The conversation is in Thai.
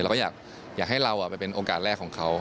เราก็อยากให้เราไปเป็นโอกาสแรกของเขา